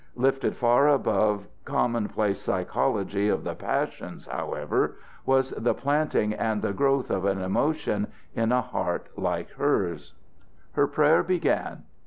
Lifted far above commonplace psychology of the passions, however, was the planting and the growth of an emotion in a heart like hers. Her prayer began.